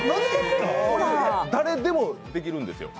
誰でもできるんですよ。